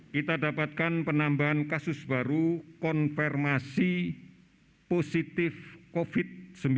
kita dapatkan penambahan kasus baru konfirmasi positif covid sembilan belas